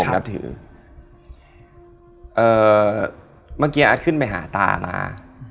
เมื่อกี๊อัทบิดไปหาตามา